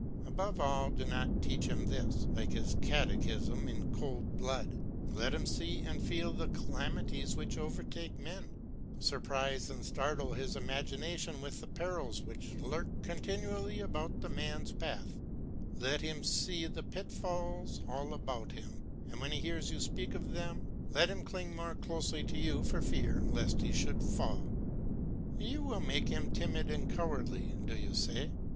Above all do not teach him this, like his catechism, in cold blood; let him see and feel the calamities which overtake men; surprise and startle his imagination with the perils which lurk continually about a man's path; let him see the pitfalls all about him, and when he hears you speak of them, let him cling more closely to you for fear lest he should fall. "You will make him timid and cowardly," do you say?